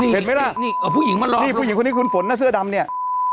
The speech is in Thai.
เห็นไหมล่ะนี่ผู้หญิงมารอนี่ผู้หญิงคนนี้คุณฝนนะเสื้อดำเนี่ย